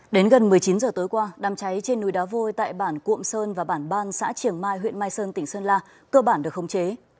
đến gần một mươi chín h tối qua đám cháy trên núi đá vôi tại bản cuộm sơn và bản ban xã triển mai huyện mai sơn tỉnh sơn la cơ bản được khống chế